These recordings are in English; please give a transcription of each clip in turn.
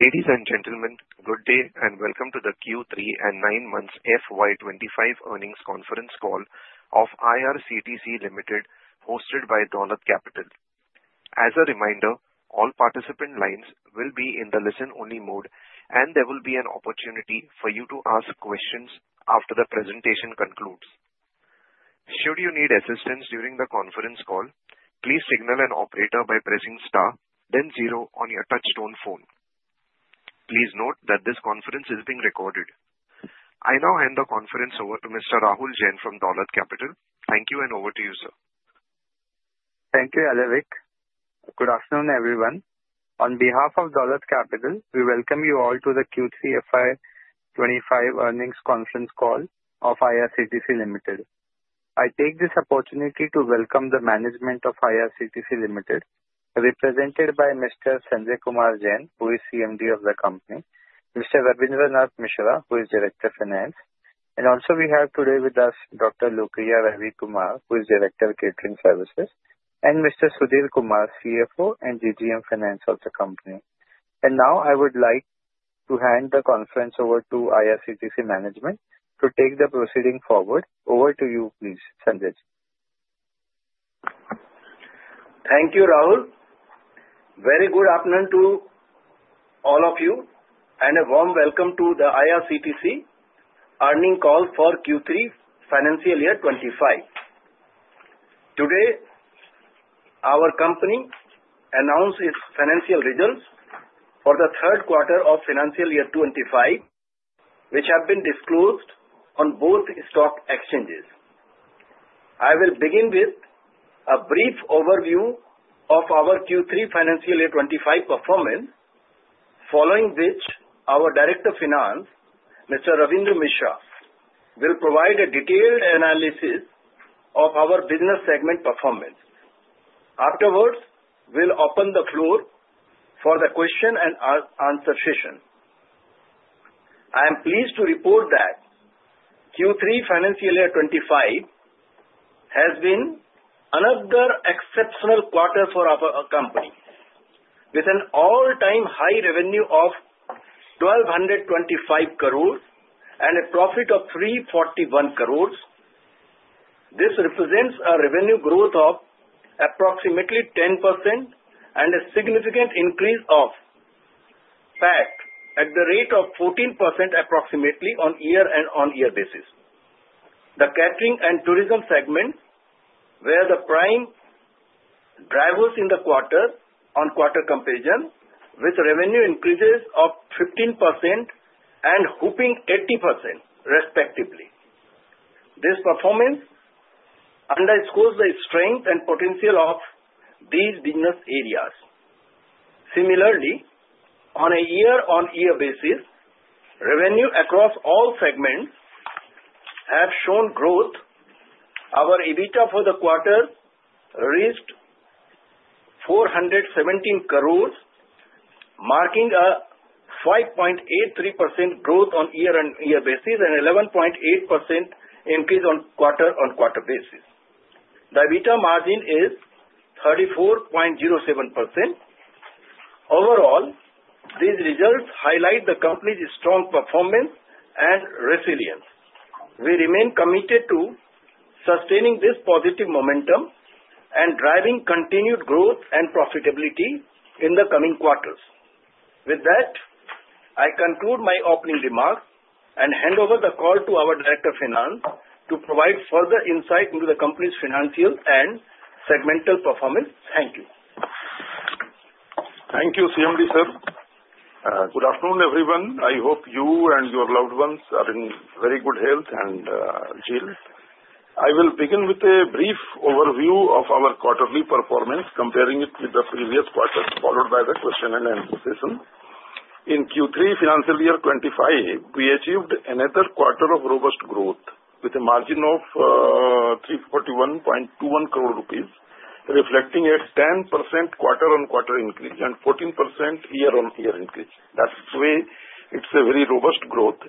Ladies and gentlemen, good day and welcome to the Q3 and 9th Month FY25 Earnings Conference Call of IRCTC Limited, hosted by Dolat Capital. As a reminder, all participant lines will be in the listen-only mode, and there will be an opportunity for you to ask questions after the presentation concludes. Should you need assistance during the conference call, please signal an operator by pressing star, then zero on your touch-tone phone. Please note that this conference is being recorded. I now hand the conference over to Mr. Rahul Jain from Dolat Capital. Thank you, and over to you, sir. Thank you, Ajit Kumar. Good afternoon, everyone. On behalf of Dolat Capital, we welcome you all to the Q3 FY25 earnings conference call of IRCTC Limited. I take this opportunity to welcome the management of IRCTC Limited, represented by Mr. Sanjay Kumar Jain, who is CMD of the company. Mr. Rabindra Nath Mishra, who is Director of Finance. And also we have today with us Dr. Lokiah Ravikumar, who is Director of Catering Services and Mr. Sudhir Kumar, CFO and GGM, Finance of the company. Now I would like to hand the conference over to IRCTC management to take the proceeding forward. Over to you, please, Sanjay. Thank you, Rahul. Very good afternoon to all of you, and a warm welcome to the IRCTC earnings call for Q3 Financial Year 25. Today, our company announced its financial results for the Q3 of Financial Year 25, which have been disclosed on both stock exchanges. I will begin with a brief overview of our Q3 Financial Year 25 performance, following which our Director of Finance, Mr. Rabindra Nath Mishra, will provide a detailed analysis of our business segment performance. Afterwards, we'll open the floor for the question and answer session. I am pleased to report that Q3 Financial Year 25 has been another exceptional quarter for our company, with an all-time high revenue of 1,225 crores and a profit of ₹ 341 crores. This represents a revenue growth of approximately 10% and a significant increase of PAT at the rate of 14%, approximately, on year-on-year basis. The catering and tourism segment were the prime drivers in the quarter-on-quarter comparison, with revenue increases of 15% and whopping 80%, respectively. This performance underscores the strength and potential of these business areas. Similarly, on a year-on-year basis, revenue across all segments has shown growth. Our EBITDA for the quarter reached ₹ 417 crores, marking a 5.83% growth on year-on-year basis and an 11.8% increase on quarter-on-quarter basis. The EBITDA margin is 34.07%. Overall, these results highlight the company's strong performance and resilience. We remain committed to sustaining this positive momentum and driving continued growth and profitability in the coming quarters. With that, I conclude my opening remarks and hand over the call to our Director of Finance to provide further insight into the company's financial and segmental performance. Thank you. Thank you, CMD sir. Good afternoon, everyone. I hope you and your loved ones are in very good health. I will begin with a brief overview of our quarterly performance, comparing it with the previous quarter, followed by the question and answer session. In Q3 Financial Year 2025, we achieved another quarter of robust growth, with a margin of ₹ 341.21 crore, reflecting a 10% quarter-on-quarter increase and 14% year-on-year increase. That way, it's a very robust growth.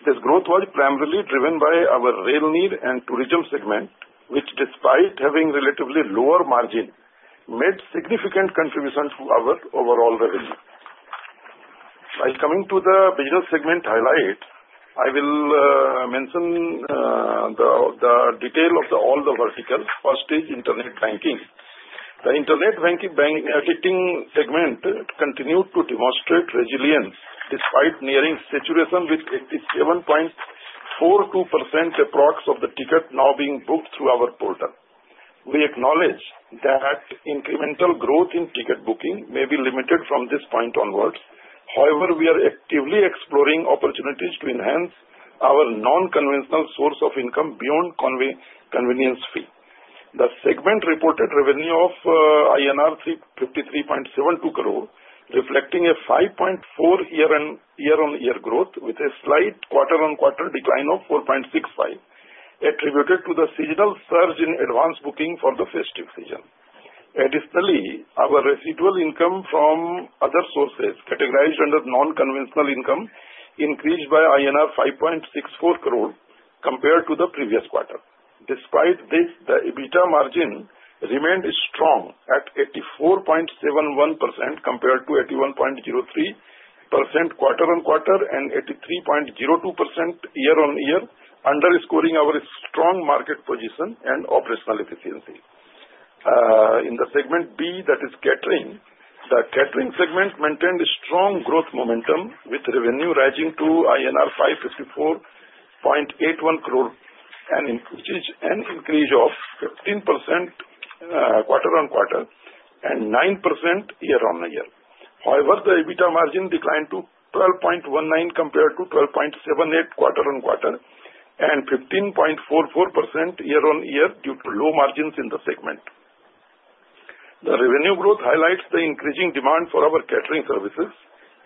This growth was primarily driven by our Rail Neer and tourism segment, which, despite having a relatively lower margin, made a significant contribution to our overall revenue. By coming to the business segment highlight, I will mention the detail of all the verticals. First is Internet Ticketing. The Internet Ticketing segment continued to demonstrate resilience despite nearing saturation, with 87.42% approx of the tickets now being booked through our portal. We acknowledge that incremental growth in ticket booking may be limited from this point onwards. However, we are actively exploring opportunities to enhance our non-conventional source of income beyond convenience fee. The segment reported revenue of ₹ 53.72 crore, reflecting a 5.4% year-on-year growth, with a slight quarter-on-quarter decline of 4.65%, attributed to the seasonal surge in advance booking for the festive season. Additionally, our residual income from other sources, categorized under non-conventional income, increased by ₹ 5.64 crore compared to the previous quarter. Despite this, the EBITDA margin remained strong at 84.71% compared to 81.03% quarter-on-quarter and 83.02% year-on-year, underscoring our strong market position and operational efficiency. In the segment B, that is catering, the catering segment maintained strong growth momentum, with revenue rising to ₹ 554.81 crore, an increase of 15% quarter-on-quarter and 9% year-on-year. However, the EBITDA margin declined to 12.19% compared to 12.78% quarter-on-quarter and 15.44% year-on-year due to low margins in the segment. The revenue growth highlights the increasing demand for our catering services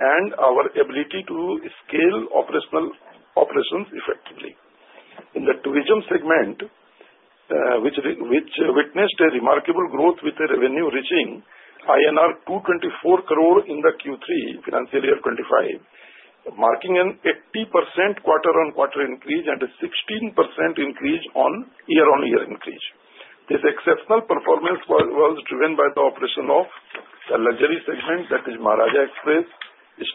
and our ability to scale operations effectively. In the tourism segment, which witnessed a remarkable growth, with revenue reaching ₹ 224 crore in Q3 FY25, marking an 80% quarter-on-quarter increase and a 16% increase on year-on-year increase. This exceptional performance was driven by the operation of the luxury segment, that is Maharajas' Express,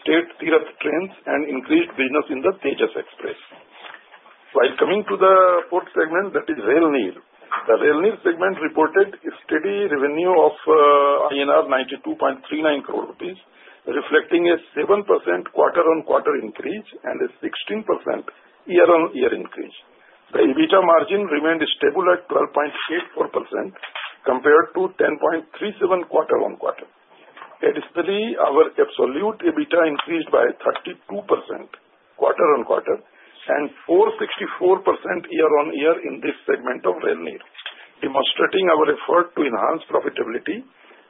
State Tirth Trains, and increased business in the Tejas Express. By coming to the fourth segment, that is Rail Neer. The Rail Neer segment reported a steady revenue of ₹ 92.39 crore, reflecting a 7% quarter-on-quarter increase and a 16% year-on-year increase. The EBITDA margin remained stable at 12.84% compared to 10.37% quarter-on-quarter. Additionally, our absolute EBITDA increased by 32% quarter-on-quarter and 464% year-on-year in this segment of Rail Neer, demonstrating our effort to enhance profitability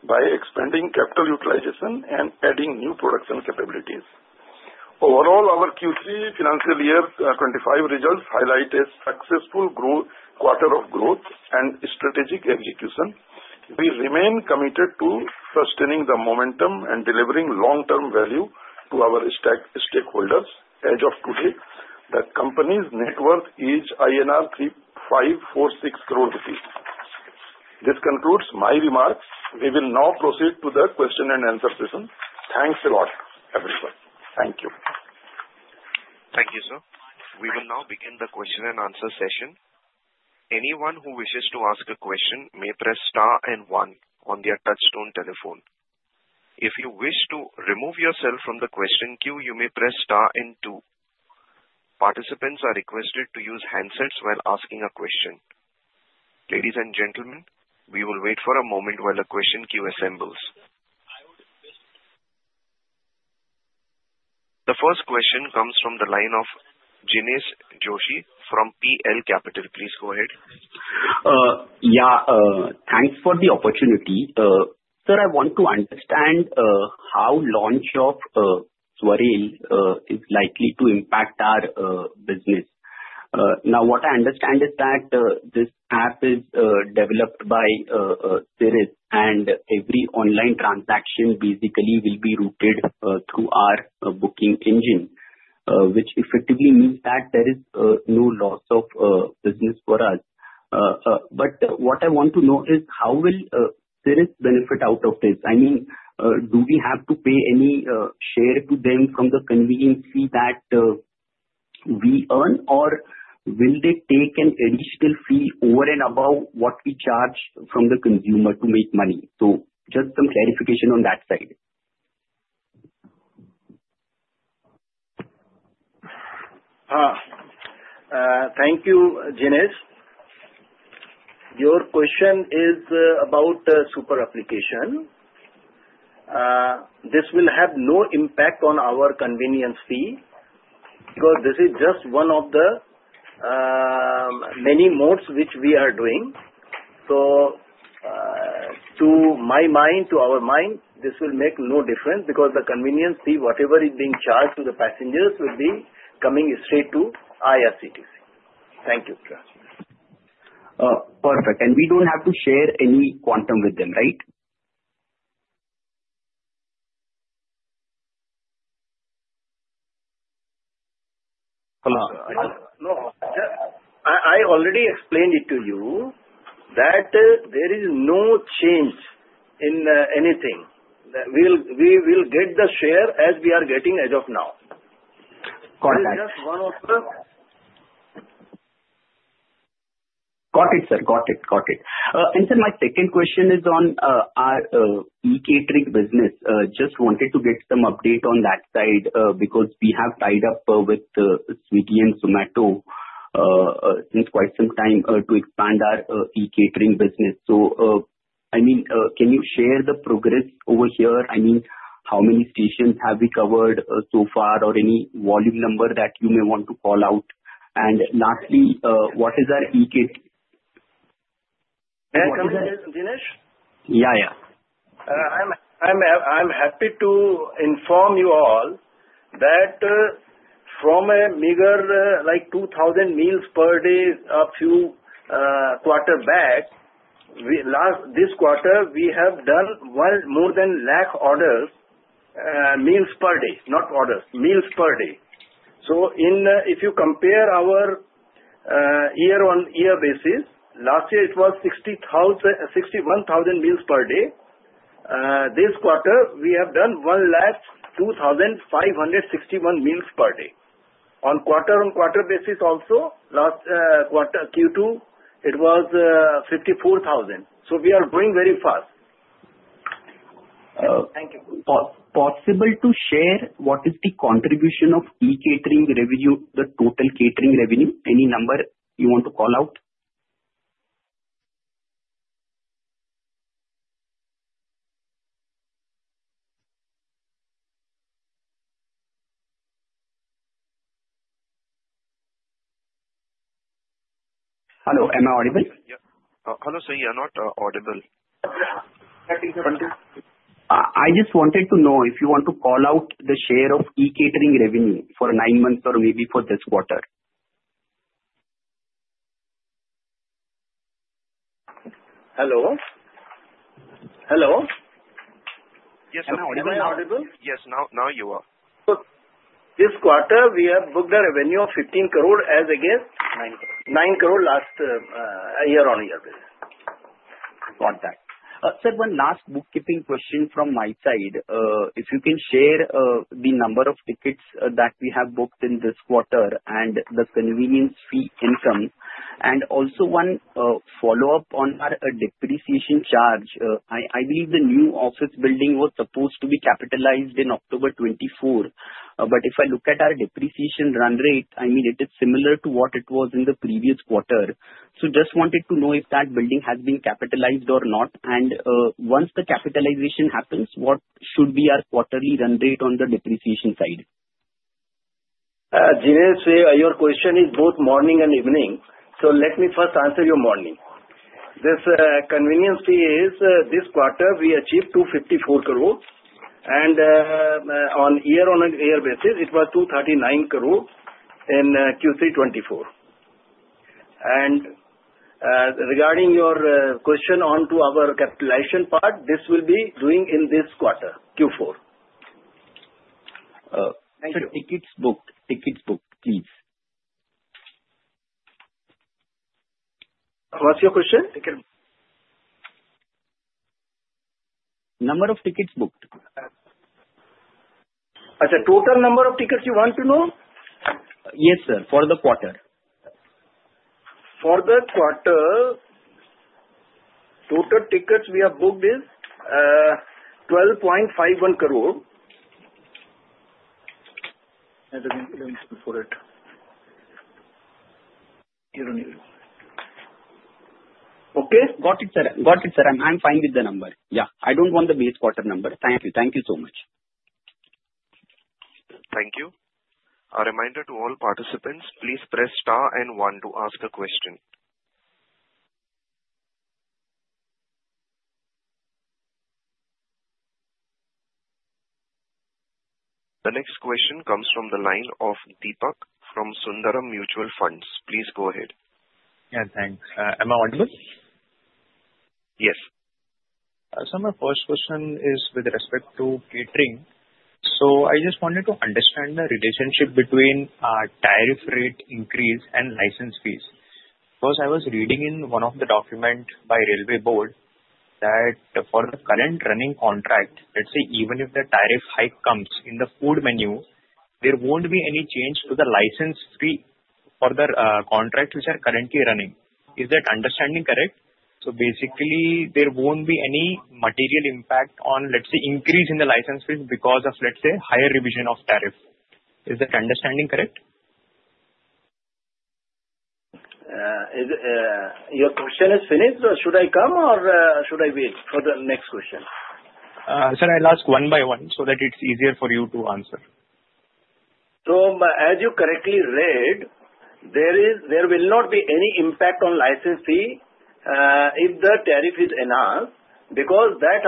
by expanding capital utilization and adding new production capabilities. Overall, our Q3 Financial Year 2025 results highlight a successful quarter of growth and strategic execution. We remain committed to sustaining the momentum and delivering long-term value to our stakeholders. As of today, the company's net worth is ₹ 546 crore. This concludes my remarks. We will now proceed to the question and answer session. Thanks a lot, everyone. Thank you. Thank you, sir. We will now begin the question and answer session. Anyone who wishes to ask a question may press star and one on their touch-tone telephone. If you wish to remove yourself from the question queue, you may press star and two. Participants are requested to use handsets while asking a question. Ladies and gentlemen, we will wait for a moment while the question queue assembles. The first question comes from the line of Jinesh Joshi from PL Capital. Please go ahead. Yeah. Thanks for the opportunity. Sir, I want to understand how launch of SwaRail is likely to impact our business. Now, what I understand is that this app is developed by CRIS, and every online transaction basically will be routed through our booking engine, which effectively means that there is no loss of business for us. But what I want to know is how will CRIS benefit out of this? I mean, do we have to pay any share to them from the convenience fee that we earn, or will they take an additional fee over and above what we charge from the consumer to make money? So just some clarification on that side. Thank you, Jinesh. Your question is about super application. This will have no impact on our convenience fee because this is just one of the many modes which we are doing. So to my mind, to our mind, this will make no difference because the convenience fee, whatever is being charged to the passengers, will be coming straight to IRCTC. Thank you. Perfect. And we don't have to share any quantum with them, right? Hello. I already explained it to you that there is no change in anything. We will get the share as we are getting as of now. Got it, sir. And sir, my second question is on our e-catering business. Just wanted to get some update on that side because we have tied up with Swiggy and Zomato since quite some time to expand our e-catering business. So I mean, can you share the progress over here? I mean, how many stations have we covered so far or any volume number that you may want to call out? And lastly, what is our e-catering? Jinesh? Yeah, yeah. I'm happy to inform you all that from a meager, like 2,000 meals per day a few quarters back, this quarter, we have done more than a lakh orders, meals per day. Not orders, meals per day. So if you compare our year-on-year basis, last year, it was 61,000 meals per day. This quarter, we have done 125,000 meals per day. On quarter-on-quarter basis also, last quarter, Q2, it was 54,000. So we are going very fast. Thank you. Possible to share what is the contribution of e-catering revenue, the total catering revenue? Any number you want to call out? Hello. Am I audible? Hello, sir. You are not audible. I just wanted to know if you want to call out the share of e-catering revenue for nine months or maybe for this quarter? Hello? Hello? Yes. Now you are. So this quarter, we have booked a revenue of ₹ 15 crore as against ₹ nine crore last year-on-year basis. Got that. Sir, one last bookkeeping question from my side. If you can share the number of tickets that we have booked in this quarter and the convenience fee income, and also one follow-up on our depreciation charge. I believe the new office building was supposed to be capitalized in October 2024, but if I look at our depreciation run rate, I mean, it is similar to what it was in the previous quarter, so just wanted to know if that building has been capitalized or not, and once the capitalization happens, what should be our quarterly run rate on the depreciation side? Jinesh, your question is both morning and evening. So let me first answer your morning. This convenience fee is this quarter, we achieved ₹ 254 crore. And on year-on-year basis, it was ₹ 239 crore in Q3 2024. And regarding your question onto our capitalization part, this will be doing in this quarter, Q4. Thank you. Sir, tickets booked. Tickets booked, please. What's your question? Number of tickets booked. Ajit, total number of tickets you want to know? Yes, sir. For the quarter. For the quarter, total tickets we have booked is 12.51 crore. Okay. Got it, sir. Got it, sir. I'm fine with the number. Yeah. I don't want the base quarter number. Thank you. Thank you so much. Thank you. A reminder to all participants, please press star and one to ask a question. The next question comes from the line of Deepak from Sundaram Mutual Fund. Please go ahead. Yeah. Thanks. Am I audible? Yes. Sir, my first question is with respect to catering. So I just wanted to understand the relationship between our tariff rate increase and license fees. Because I was reading in one of the documents by Board that for the current running contract, let's say, even if the tariff hike comes in the food menu, there won't be any change to the license fee for the contract which are currently running. Is that understanding correct? So basically, there won't be any material impact on, let's say, increase in the license fees because of, let's say, higher revision of tariff. Is that understanding correct? Your question is finished, or should I come, or should I wait for the next question? Sir, I'll ask one by one so that it's easier for you to answer. As you correctly read, there will not be any impact on license fee if the tariff is enough because that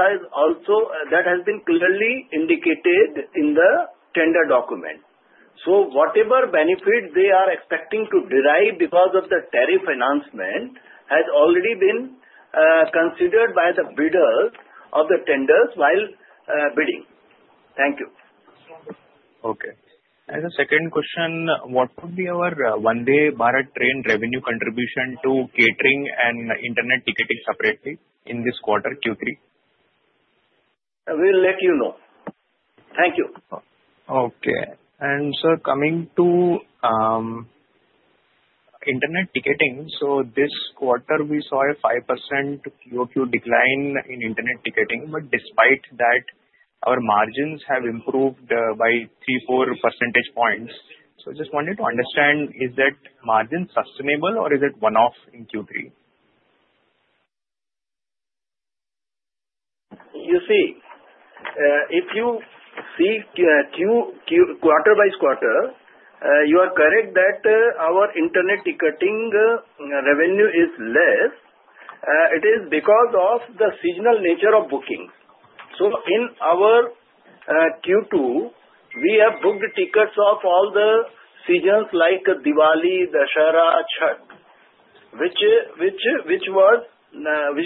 has been clearly indicated in the tender document. Whatever benefit they are expecting to derive because of the tariff announcement has already been considered by the bidders of the tenders while bidding. Thank you. Okay. And the second question, what would be our Vande Bharat train revenue contribution to catering and Internet Ticketing separately in this quarter, Q3? We'll let you know. Thank you. Okay, and sir, coming to Internet Ticketing, so this quarter, we saw a 5% QOQ decline in Internet Ticketing, but despite that, our margins have improved by 3% to 4% points, so I just wanted to understand, is that margin sustainable, or is it one-off in Q3? You see, if you see quarter by quarter, you are correct that our Internet Ticketing revenue is less. It is because of the seasonal nature of booking. So in our Q2, we have booked tickets of all the seasons like Diwali, Dussehra, Chhath, which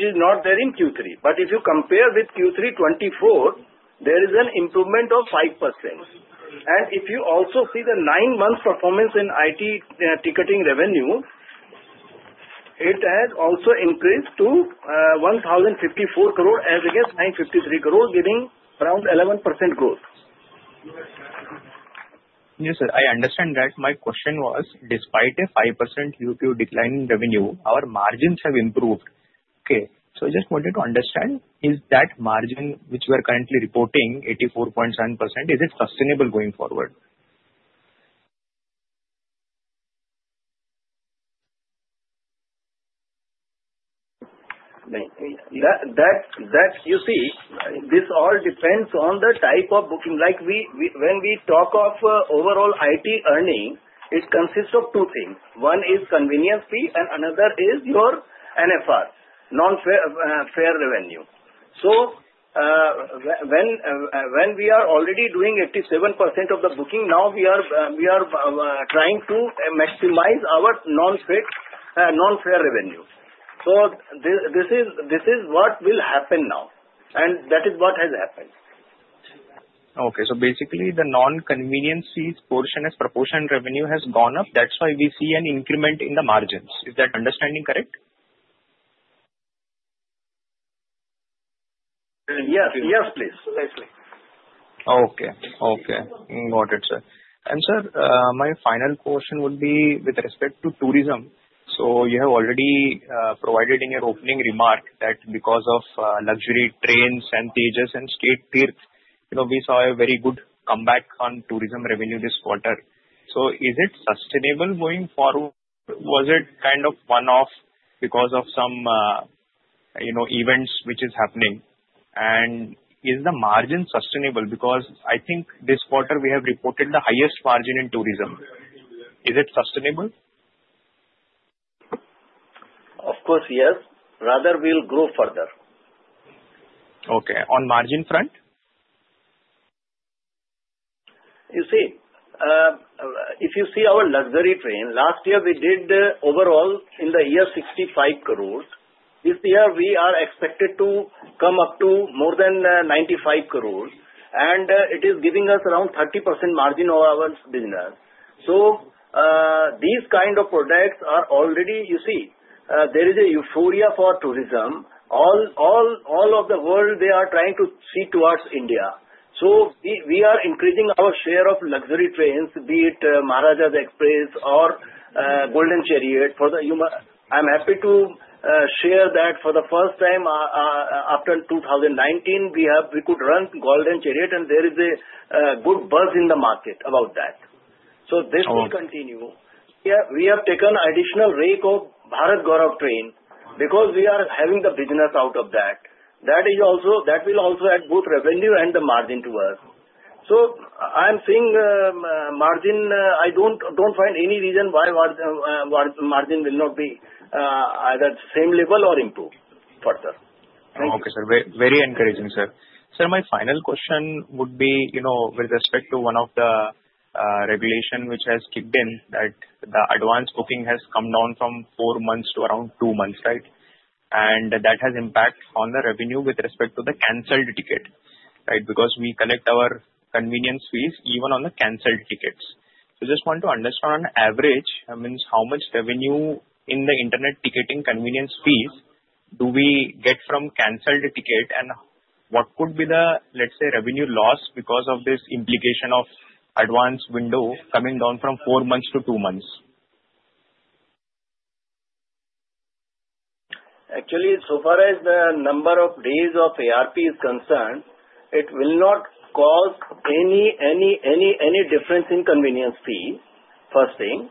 is not there in Q3. But if you compare with Q3 24, there is an improvement of 5%. And if you also see the nine-month performance in IT ticketing revenue, it has also increased to ₹ 1,054 crore as against ₹ 953 crore, giving around 11% growth. Yes, sir. I understand that. My question was, despite a 5% QOQ declining revenue, our margins have improved. Okay. So I just wanted to understand, is that margin which we are currently reporting, 84.7%, is it sustainable going forward? You see, this all depends on the type of booking. When we talk of overall IT earnings, it consists of two things. One is convenience fee, and another is your NFR, Non-Fare Revenue, so when we are already doing 87% of the booking, now we are trying to maximize our Non-Fare Revenue, so this is what will happen now, and that is what has happened. Okay. So basically, the non-convenience fees portion as proportion revenue has gone up. That's why we see an increment in the margins. Is that understanding correct? Yes. Yes, please. Okay. Okay. Got it, sir. And sir, my final question would be with respect to tourism. So you have already provided in your opening remark that because of luxury trains, Tejas, and State Tirth, we saw a very good comeback on tourism revenue this quarter. So is it sustainable going forward? Was it kind of one-off because of some events which is happening? And is the margin sustainable? Because I think this quarter, we have reported the highest margin in tourism. Is it sustainable? Of course, yes. Rather, we'll grow further. Okay. On margin front? You see, if you see our luxury train, last year, we did overall in the year ₹65 crore. This year, we are expected to come up to more than ₹95 crore. And it is giving us around 30% margin of our business. So these kind of products are already, you see, there is a euphoria for tourism. All of the world, they are trying to see towards India. So we are increasing our share of luxury trains, be it Maharajas' Express or Golden Chariot. For the, I'm happy to share that for the first time after 2019, we could run Golden Chariot, and there is a good buzz in the market about that. So this will continue. We have taken additional rate of Bharat Gaurav train because we are having the business out of that. That will also add both revenue and the margin to us. So I'm seeing margin. I don't find any reason why margin will not be either the same level or improve further. Okay, sir. Very encouraging, sir. Sir, my final question would be with respect to one of the regulations which has kicked in that the advance booking has come down from four months to around two months, right? And that has impact on the revenue with respect to the canceled ticket, right? Because we collect our convenience fees even on the canceled tickets. So I just want to understand on average, I mean, how much revenue in the Internet Ticketing convenience fees do we get from canceled ticket? And what could be the, let's say, revenue loss because of this implication of advance window coming down from four months to two months? Actually, so far as the number of days of ARP is concerned, it will not cause any difference in convenience fee, first thing.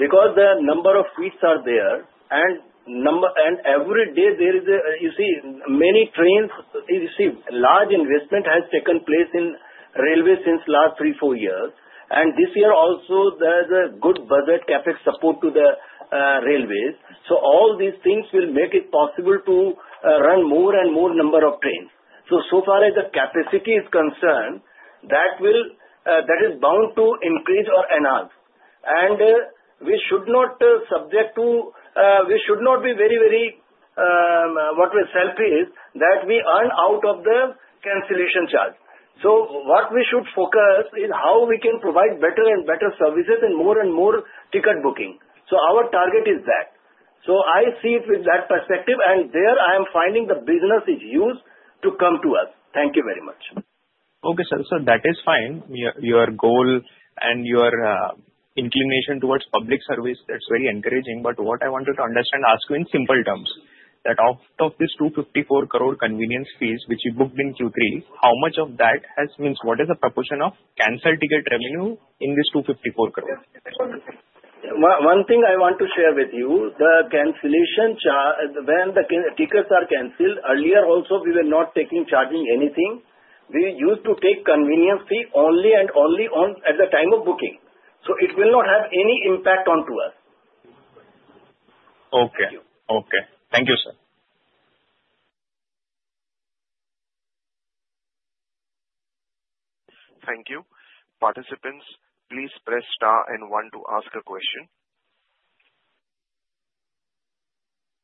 Because the number of fees are there. And every day, there is, you see, many trains. You see, large investment has taken place in since last three, four years. And this year also, there is a good budget CAPEX support to the Railways. So all these things will make it possible to run more and more number of trains. So far as the capacity is concerned, that is bound to increase or enhance. And we should not be very, very selfish that we earn out of the cancellation charge. So what we should focus is how we can provide better and better services and more and more ticket booking. So our target is that. So I see it with that perspective. And there, I am finding the business is used to come to us. Thank you very much. Okay, sir, so that is fine. Your goal and your inclination towards public service, that's very encouraging. But what I wanted to understand, ask you in simple terms, that out of this ₹ 254 crore convenience fees which you booked in Q3, how much of that means what is the proportion of cancel ticket revenue in this ₹ 254 crore? One thing I want to share with you, the cancellation charge, when the tickets are canceled, earlier also, we were not charging anything. We used to take convenience fee only and only at the time of booking. So it will not have any impact on us. Okay. Okay. Thank you, sir. Thank you. Participants, please press star and one to ask a question.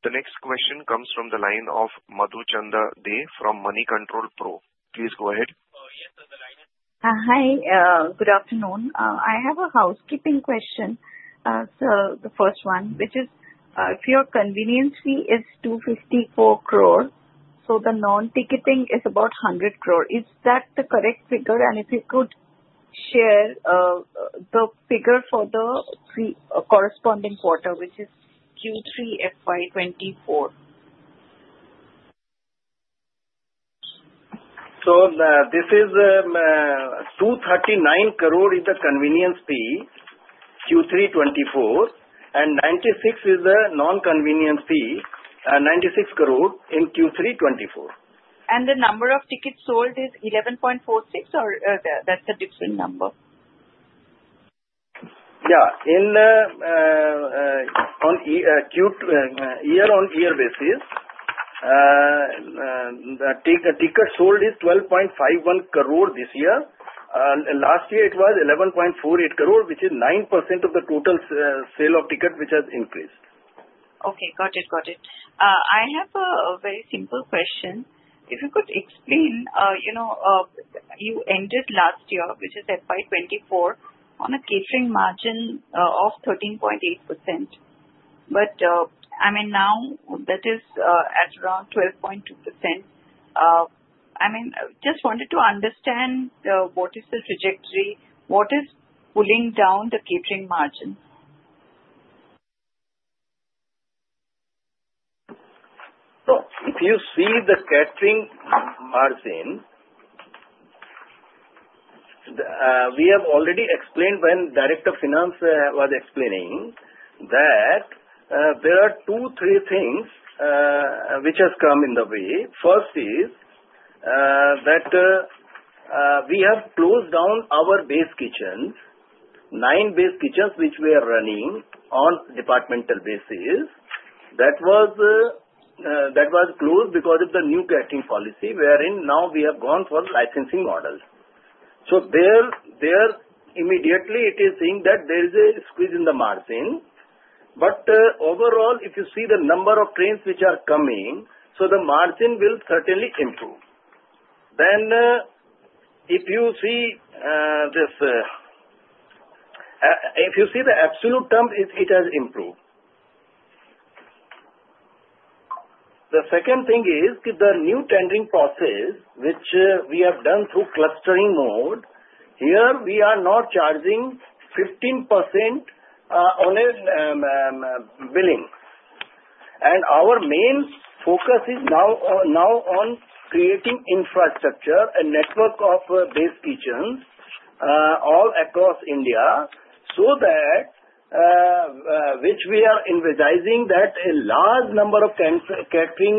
The next question comes from the line of Madhuchanda Dey from Moneycontrol Pro. Please go ahead. Hi. Good afternoon. I have a housekeeping question. So the first one, which is if your convenience fee is ₹ 254 crore, so the non-ticketing is about ₹ 100 crore. Is that the correct figure? And if you could share the figure for the corresponding quarter, which is Q3 FY 2024. So this is 239 crore is the convenience fee Q3 24. And 96 is the non-convenience fee, 96 crore in Q3 24. The number of tickets sold is 11.46, or that's a different number? On year-on-year basis, the tickets sold is 12.51 crore this year. Last year, it was 11.48 crore, which is 9% of the total sale of tickets which has increased. Okay. Got it. Got it. I have a very simple question. If you could explain, you ended last year, which is FY24, on a catering margin of 13.8%. But I mean, now that is at around 12.2%. I mean, just wanted to understand what is the trajectory, what is pulling down the catering margin? So if you see the catering margin, we have already explained when the Director of Finance was explaining that there are two, three things which have come in the way. First is that we have closed down our base kitchens, nine base kitchens which we are running on departmental basis. That was closed because of the new catering policy wherein now we have gone for licensing model. So there immediately, it is seeing that there is a squeeze in the margin. But overall, if you see the number of trains which are coming, so the margin will certainly improve. Then if you see this, if you see the absolute term, it has improved. The second thing is the new tendering process which we have done through clustering mode. Here, we are not charging 15% on a billing. Our main focus is now on creating infrastructure, a network of base kitchens all across India so that which we are envisioning that a large number of catering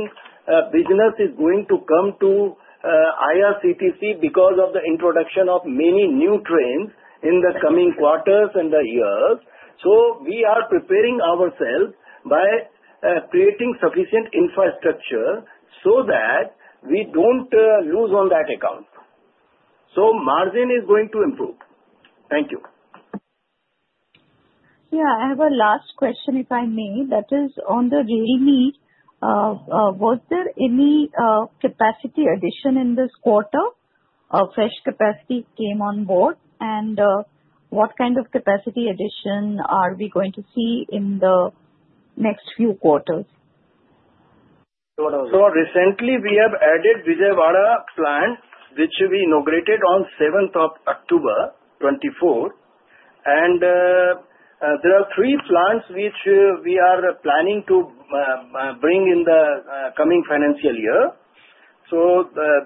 business is going to come to IRCTC because of the introduction of many new trains in the coming quarters and the years. We are preparing ourselves by creating sufficient infrastructure so that we don't lose on that account. Margin is going to improve. Thank you. Yeah. I have a last question, if I may. That is on the Railway. Was there any capacity addition in this quarter? Fresh capacity came on board. And what kind of capacity addition are we going to see in the next few quarters? Recently, we have added Vijayawada Plant, which we inaugurated on 7th of October 2024. There are three plants which we are planning to bring in the coming financial year.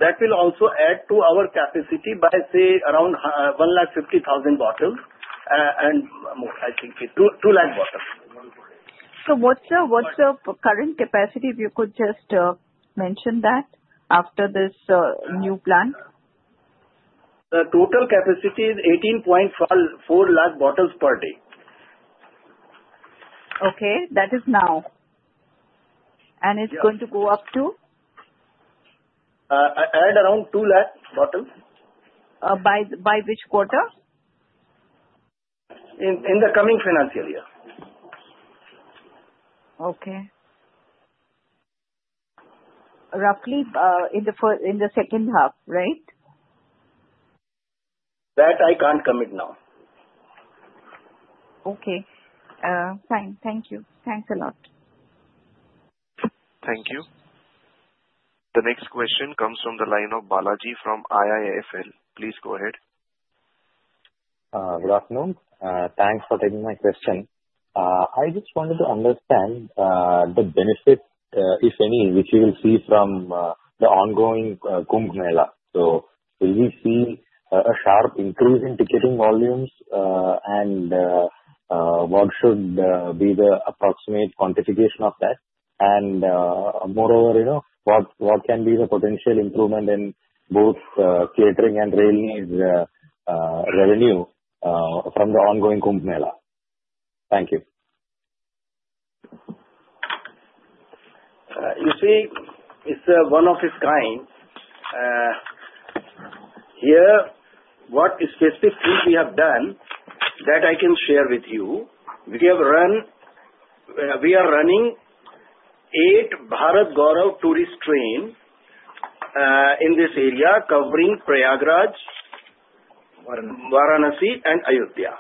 That will also add to our capacity by, say, around 150,000 bottles and more, I think, 2 lakh bottles. What's the current capacity? If you could just mention that after this new plant. The total capacity is 18.4 lakh bottles per day. Okay. That is now. And it's going to go up to? Add around 2 lakh bottles. By which quarter? In the coming financial year. Okay. Roughly in the second half, right? That I can't commit now. Okay. Fine. Thank you. Thanks a lot. Thank you. The next question comes from the line of Balaji from IIFL. Please go ahead. Good afternoon. Thanks for taking my question. I just wanted to understand the benefits, if any, which you will see from the ongoing Kumbh Mela. So will we see a sharp increase in ticketing volumes? And what should be the approximate quantification of that? And moreover, what can be the potential improvement in both catering and Railway revenue from the ongoing Kumbh Mela? Thank you. You see, it's one of its kind. Here, what specifically we have done that I can share with you, we are running eight Bharat Gaurav tourist trains in this area covering Prayagraj, Varanasi, and Ayodhya,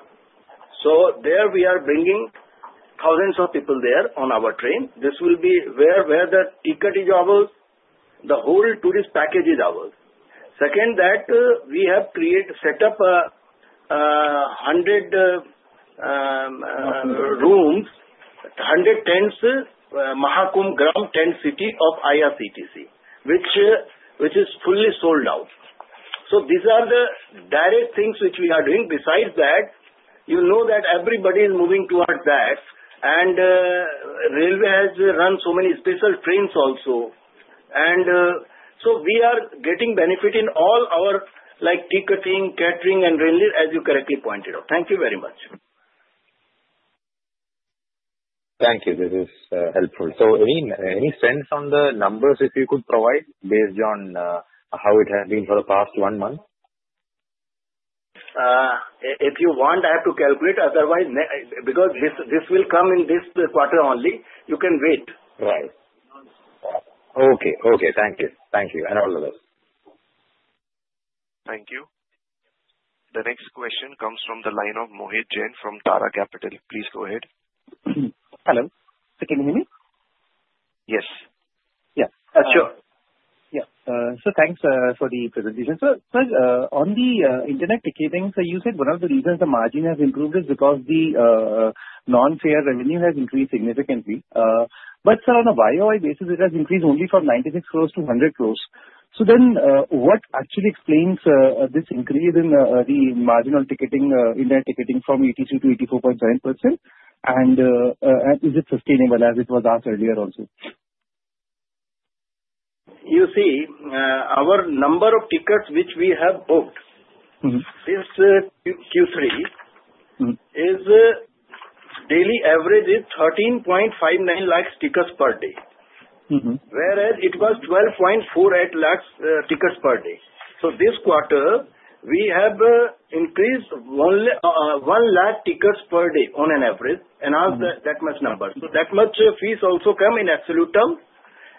so there we are bringing thousands of people there on our train. This will be where the ticket is ours. The whole tourist package is ours. Second, that we have set up 100 rooms, 100 tents, Mahakumbh Gram Tent City of IRCTC, which is fully sold out, so these are the direct things which we are doing. Besides that, you know that everybody is moving towards that, and Railway has run so many special trains also, and so we are getting benefit in all our ticketing, catering, and Railway, as you correctly pointed out. Thank you very much. Thank you. This is helpful. So any sense on the numbers if you could provide based on how it has been for the past one month? If you want, I have to calculate. Otherwise, because this will come in this quarter only, you can wait. Right. Okay. Okay. Thank you. Thank you. And all of us. Thank you. The next question comes from the line of Mohit Jain from Tara Capital. Please go ahead. Hello. Can you hear me? Yes. Yeah. Sure. Yeah. So thanks for the presentation. So on the Internet Ticketing, so you said one of the reasons the margin has improved is because the non-fare revenue has increased significantly. But on a YoY basis, it has increased only from ₹ 96 crore to ₹ 100 crore. So then what actually explains this increase in the margin on ticketing, Internet Ticketing from 83% to 84.7%? And is it sustainable as it was asked earlier also? You see, our number of tickets which we have booked since Q3 is daily average 13.59 lakh tickets per day. Whereas it was 12.48 lakh tickets per day. So this quarter, we have increased one lakh tickets per day on an average. And that much number. So that much fees also come in absolute term.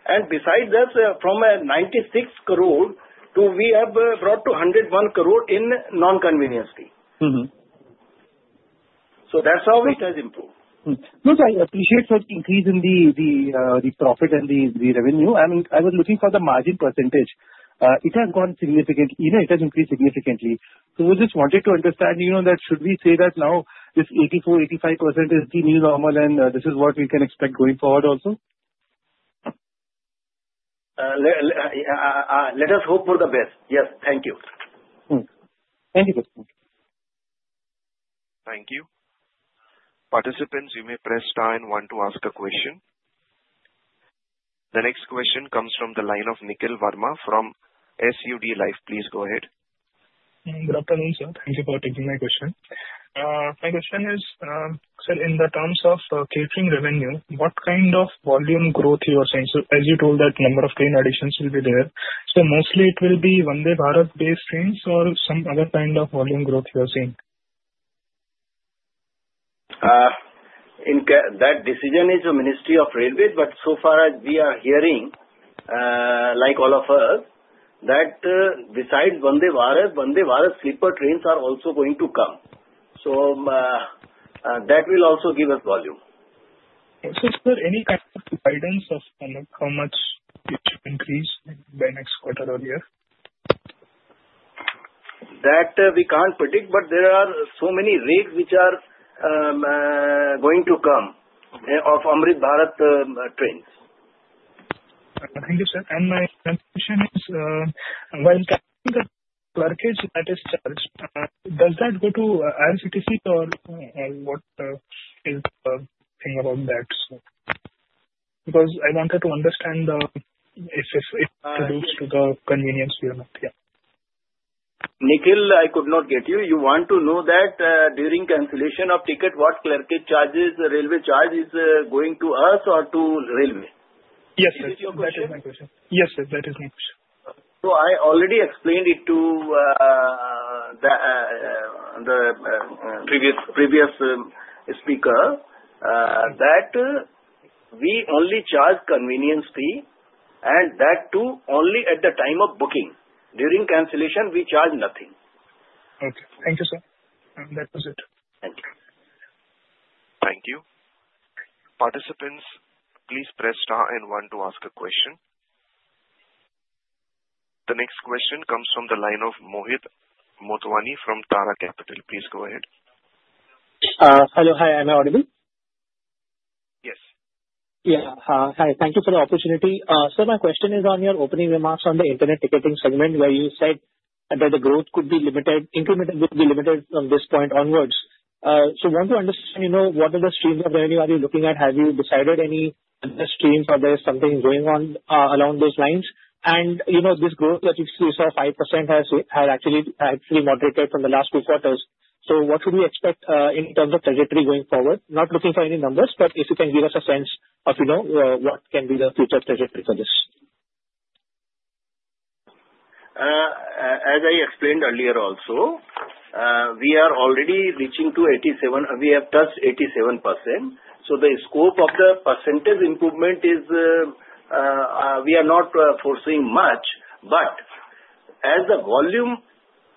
And besides that, from 96 crore to we have brought to 101 crore in non-convenience fee. So that's how it has improved. No, I appreciate such increase in the profit and the revenue. I mean, I was looking for the margin percentage. It has gone significantly. It has increased significantly. So we just wanted to understand that should we say that now this 84%-85% is the new normal and this is what we can expect going forward also? Let us hope for the best. Yes. Thank you. Thank you. Thank you. Participants, you may press star and one to ask a question. The next question comes from the line of Nikhil Verma from SUD Life. Please go ahead. Good afternoon, sir. Thank you for taking my question. My question is, sir, in the terms of catering revenue, what kind of volume growth you are seeing? So as you told that number of train additions will be there. So mostly it will be Vande Bharat-based trains or some other kind of volume growth you are seeing? That decision is the Ministry of Railways. But so far, as we are hearing, like all of us, that besides Vande Bharat, Vande Bharat sleeper trains are also going to come. So that will also give us volume. So sir, any kind of guidance of how much it should increase by next quarter or year? That we can't predict, but there are so many routes which are going to come of Amrit Bharat trains. Thank you, sir. And my question is, while capturing the clerkage that is charged, does that go to IRCTC or what is the thing about that? Because I wanted to understand if it's reduced to the convenience fee. Yeah. Nikhil, I could not get you. You want to know that during cancellation of ticket, what clerkage charges, Railway charge is going to us or to Railway? Yes, sir. That is my question. So I already explained it to the previous speaker that we only charge convenience fee and that too only at the time of booking. During cancellation, we charge nothing. Okay. Thank you, sir. That was it. Thank you. Participants, please press star and one to ask a question. The next question comes from the line of Mohit Motwani from Tara Capital. Please go ahead. Hello. Hi. Am I audible? Yes. Yeah. Hi. Thank you for the opportunity. Sir, my question is on your opening remarks on the Internet Ticketing segment where you said that the growth could be limited, incrementally limited from this point onwards. So I want to understand what are the streams of revenue are you looking at? Have you decided any streams or there is something going on along those lines? And this growth that you saw, 5% has actually moderated from the last Q2. So what should we expect in terms of trajectory going forward? Not looking for any numbers, but if you can give us a sense of what can be the future trajectory for this. As I explained earlier also, we are already reaching to 87%. We have touched 87%. So the scope of the percentage improvement is we are not forcing much. But as the volume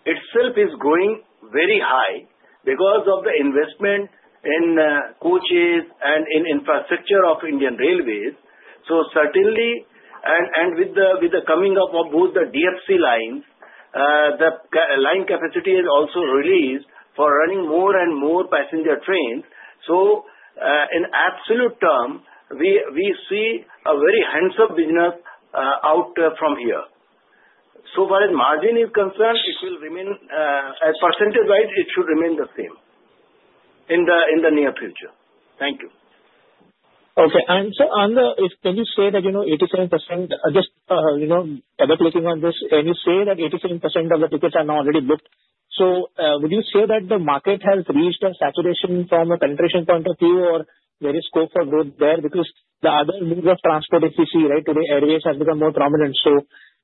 itself is growing very high because of the investment in coaches and in infrastructure of Indian Railways. So certainly, and with the coming of both the DFC lines, the line capacity is also released for running more and more passenger trains. So in absolute term, we see a very handsome business out from here. So far as margin is concerned, it will remain as percentage-wise, it should remain the same in the near future. Thank you. Okay. And sir, can you say that 87% just further clicking on this, can you say that 87% of the tickets are now already booked? So would you say that the market has reached a saturation from a penetration point of view or there is scope for growth there? Because the other modes of transport, if you see, right, today, airways have become more prominent. So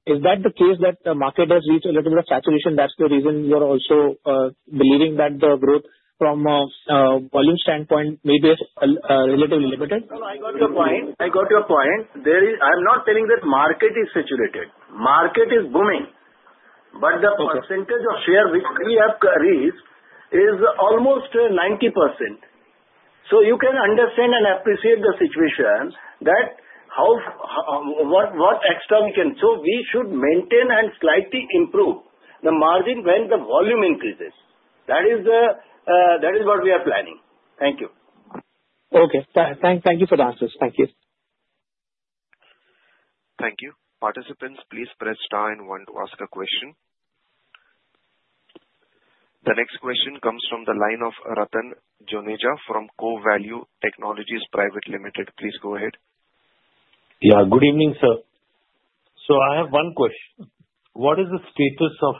is that the case that the market has reached a little bit of saturation? That's the reason you are also believing that the growth from a volume standpoint may be relatively limited? No, no. I got your point. I got your point. I'm not saying that market is saturated. Market is booming. But the percentage of share which we have raised is almost 90%. So you can understand and appreciate the situation that what extra we can. So we should maintain and slightly improve the margin when the volume increases. That is what we are planning. Thank you. Okay. Thank you for the answers. Thank you. Thank you. Participants, please press star and one to ask a question. The next question comes from the line of Rattan Joneja from CoValue Technologies Private Limited. Please go ahead. Yeah. Good evening, sir. So I have one question. What is the status of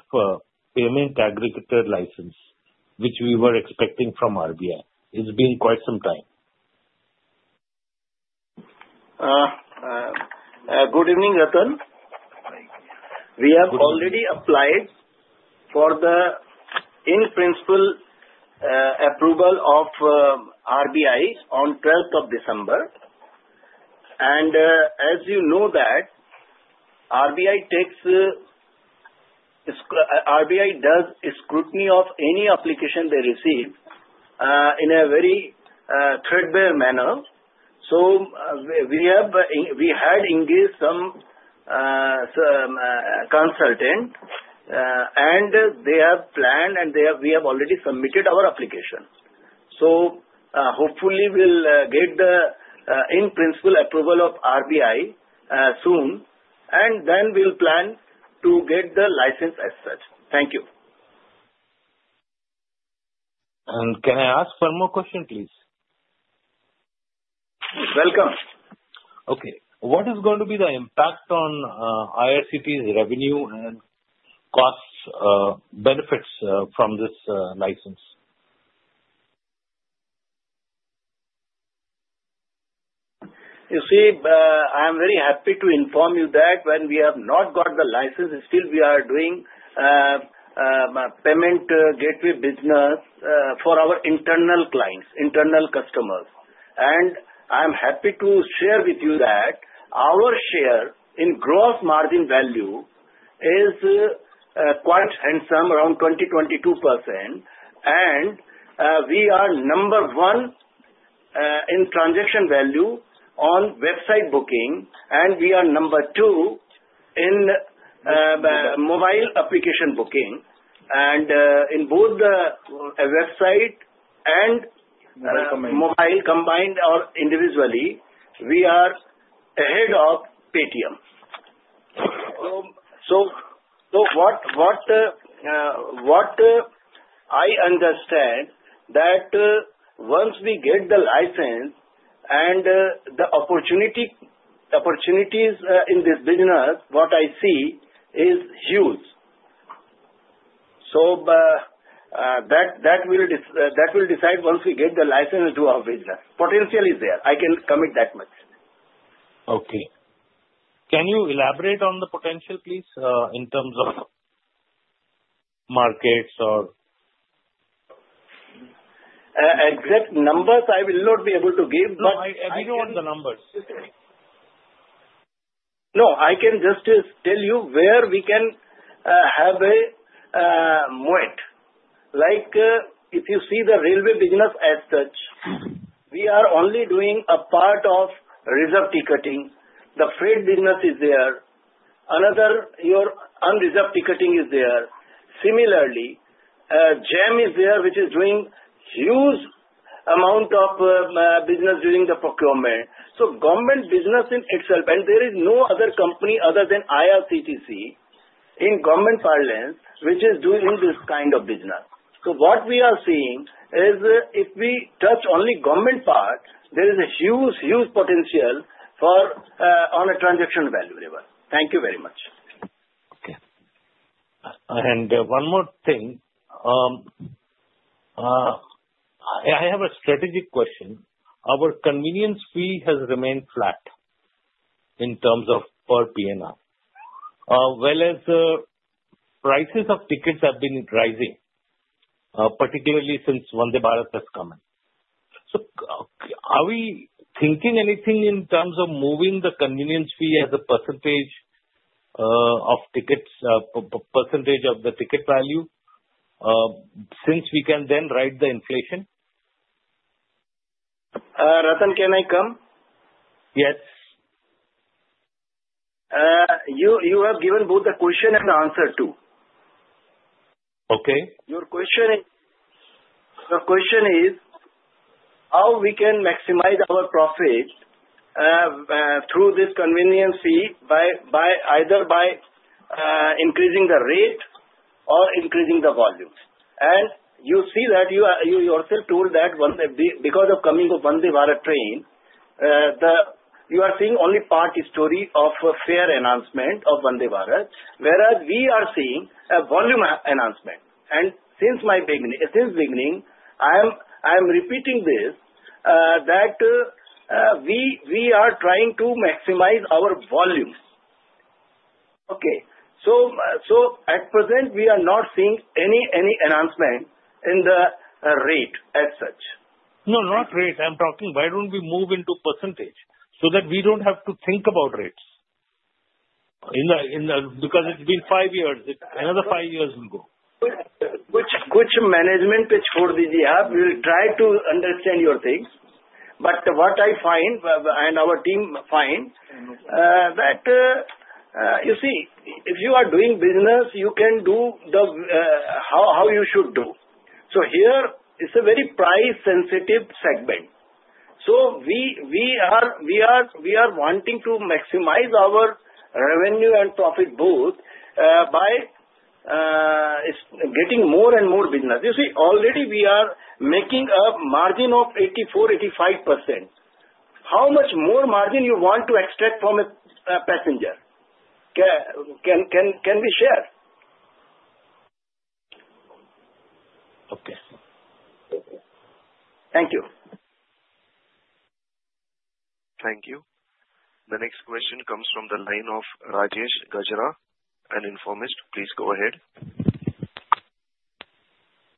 Payment Aggregator license which we were expecting from RBI? It's been quite some time. Good evening, Rattan. We have already applied for the in-principle approval of RBI on 12th of December. And as you know that, RBI does scrutiny of any application they receive in a very threadbare manner. So we had engaged some consultant, and they have planned, and we have already submitted our application. So hopefully, we'll get the in-principle approval of RBI soon, and then we'll plan to get the license as such. Thank you. And can I ask one more question, please? Welcome. Okay. What is going to be the impact on IRCTC's revenue and cost benefits from this license? You see, I am very happy to inform you that when we have not got the license, still we are doing payment gateway business for our internal clients, internal customers. And I am happy to share with you that our share in gross margin value is quite handsome, around 20-22%. And we are number one in transaction value on website booking, and we are number two in mobile application booking. And in both the website and mobile combined or individually, we are ahead of Paytm. So what I understand is that once we get the license and the opportunities in this business, what I see is huge. So that will decide once we get the license into our business. Potential is there. I can commit that much. Okay. Can you elaborate on the potential, please, in terms of markets or? Exact numbers, I will not be able to give, but. No, I can just tell you where we can have a moat. Like if you see the Railway business as such, we are only doing a part of reserved ticketing. The freight business is there. Another unreserved ticketing is there. Similarly, GeM is there, which is doing huge amount of business during the procurement. So government business in itself, and there is no other company other than IRCTC in government parlance, which is doing this kind of business. So what we are seeing is if we touch only government part, there is a huge, huge potential on a transactional value level. Thank you very much. Okay. And one more thing. I have a strategic question. Our convenience fee has remained flat in terms of per PNR, whereas prices of tickets have been rising, particularly since Vande Bharat has come in. So, are we thinking anything in terms of moving the convenience fee as a percentage of tickets, percentage of the ticket value, since we can then ride the inflation? Rattan, can I come? Yes. You have given both the question and answer too. Your question is how we can maximize our profit through this convenience fee either by increasing the rate or increasing the volume. And you see that you yourself told that because of coming of Vande Bharat train, you are seeing only part of the story of fare announcement of Vande Bharat, whereas we are seeing a volume announcement. And since the beginning, I am repeating this that we are trying to maximize our volume. Okay. So at present, we are not seeing any announcement in the rate as such. No, not rate. I'm talking why don't we move into percentage so that we don't have to think about rates? [Foreign Langugae] Because it's been five years. Another five years will go. Which management pitch for this you have? We'll try to understand your thing. But what I find, and our team finds, that you see, if you are doing business, you can do how you should do. So here, it's a very price-sensitive segment. So we are wanting to maximize our revenue and profit both by getting more and more business. You see, already we are making a margin of 84%-85%. How much more margin you want to extract from a passenger? Can we share? Okay. Thank you. Thank you. The next question comes from the line of Rajesh Gajra, an Informist. Please go ahead.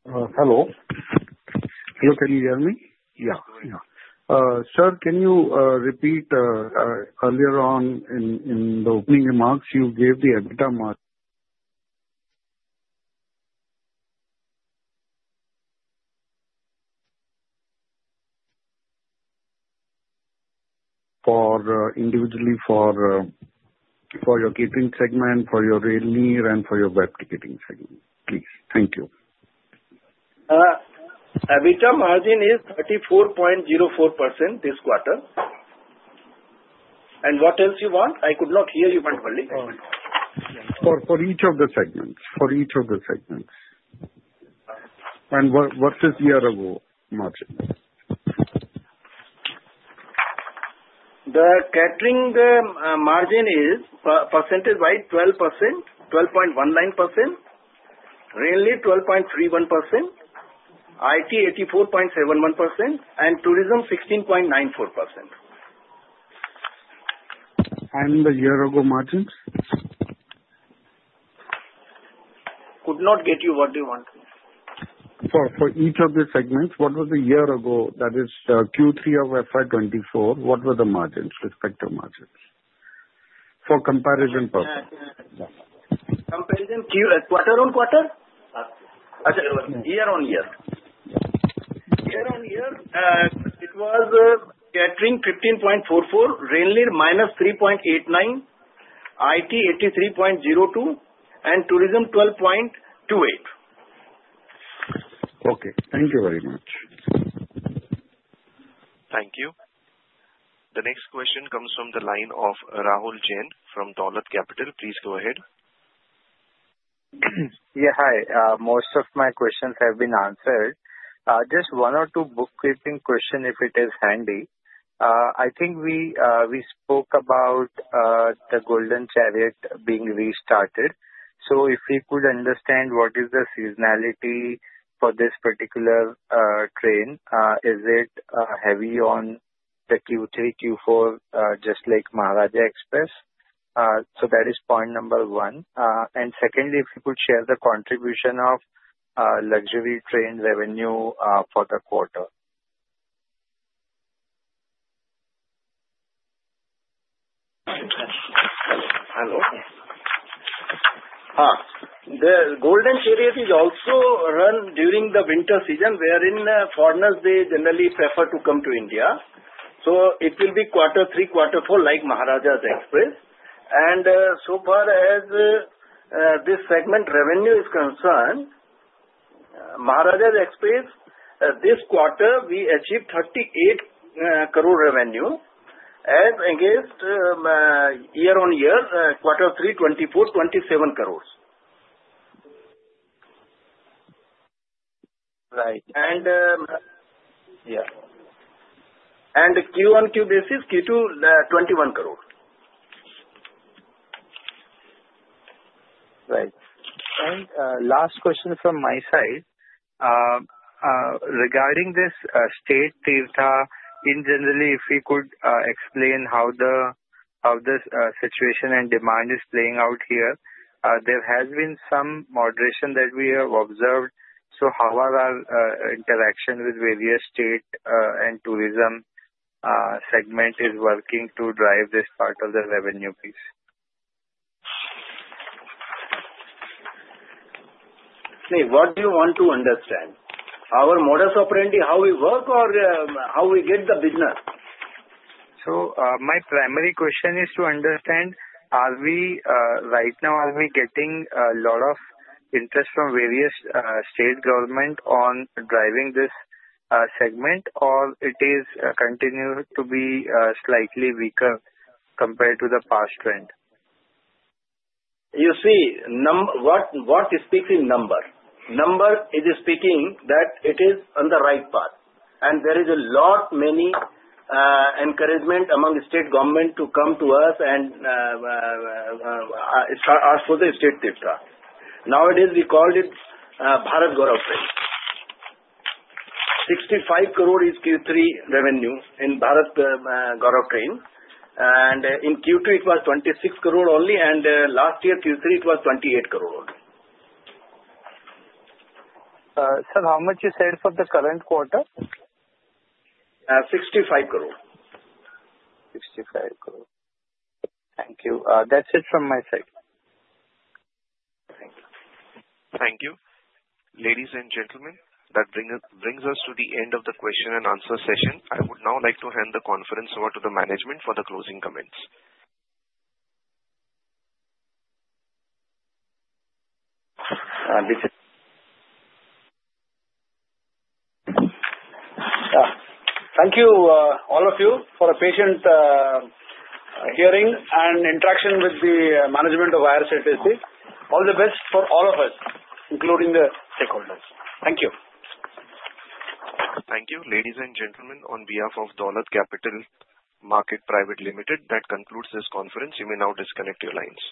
Hello. Hello. Can you hear me? Yeah. Sir, can you repeat? Earlier on in the opening remarks, you gave the EBITDA margin individually for your catering segment, for your Rail Neer, and for your web ticketing segment? Please. Thank you. EBITDA margin is 34.04% this quarter. And what else you want? I could not hear you, my colleague. For each of the segments, and versus year-ago margin. The catering margin is percentage-wise 12.19%, Rail Neer 12.31%, IT 84.71%, and tourism 16.94%. And the year-ago margins? Could not get you what you want. For each of the segments, what was the year-ago? That is Q3 of FY24, what were the margins, respective margins? For comparison purposes. Comparison quarter on quarter? Ajit, year on year. Year on year, it was catering 15.44%, Rail Neer minus 3.89%, IT 83.02%, and tourism 12.28%. Okay. Thank you very much. Thank you. The next question comes from the line of Rahul Jain from Dolat Capital. Please go ahead. Yeah. Hi. Most of my questions have been answered. Just one or two bookkeeping questions if it is handy. I think we spoke about the Golden Chariot being restarted. So if we could understand what is the seasonality for this particular train, is it heavy on the Q3, Q4, just like Maharajas' Express? So that is point number one. And secondly, if you could share the contribution of luxury train revenue for the quarter. The Golden Chariot is also run during the winter season, wherein foreigners, they generally prefer to come to India. So it will be Q3, Q4, like Maharajas' Express. And so far as this segment revenue is concerned, Maharajas' Express, this quarter, we achieved ₹ 38 crore revenue as against year-on-year, Q3, ₹ 24-27 crore. Right. Yeah. And Q1, Q basis, Q2, ₹ 21 crore. Right. And last question from my side. Regarding this State Tirth, in general, if you could explain how the situation and demand is playing out here. There has been some moderation that we have observed. So how are our interaction with various state and tourism segment is working to drive this part of the revenue piece? See, what do you want to understand? Our modus operandi, how we work or how we get the business? So my primary question is to understand, right now, are we getting a lot of interest from various state government on driving this segment, or it is continuing to be slightly weaker compared to the past trend? You see, what is speaking number? Number is speaking that it is on the right path. And there is a lot, many encouragement among state government to come to us and ask for the State Tirth. Nowadays, we called it Bharat Gaurav Train. ₹ 65 crore is Q3 revenue in Bharat Gaurav Train. And in Q2, it was ₹ 26 crore only, and last year, Q3, it was ₹ 28 crore only. Sir, how much you said for the current quarter? 65 crore. ₹ 65 crore. Thank you. That's it from my side. Thank you. Thank you. Ladies and gentlemen, that brings us to the end of the question and answer session. I would now like to hand the conference over to the management for the closing comments. Thank you, all of you, for a patient hearing and interaction with the management of IRCTC. All the best for all of us, including the stakeholders. Thank you. Thank you. Ladies and gentlemen, on behalf of Dolat Capital Market Private Limited, that concludes this conference. You may now disconnect your lines.